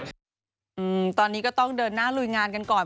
อืมตอนนี้ก็ต้องเดินหน้าลุยงานกันก่อน